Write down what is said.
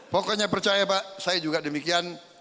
pokoknya percaya pak saya juga demikian